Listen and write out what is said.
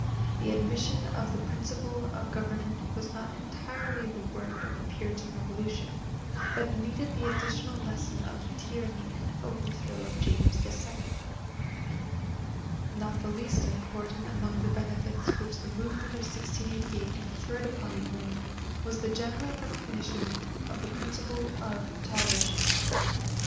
The admission of this principle of government was not entirely the work of the Puritan Revolution, but needed the additional lesson of the tyranny and overthrow of James II. Not the least important among the benefits which the movement of 1688 conferred upon England was the general recognition of the principle of toleration.